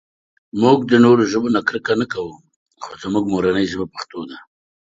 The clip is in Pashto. مونږ د نورو ژبو نه کرکه نهٔ کوؤ خو زمونږ مورنۍ ژبه پښتو ده